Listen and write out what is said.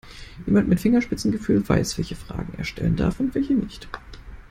Jemand mit Fingerspitzengefühl weiß, welche Fragen er stellen darf und welche nicht.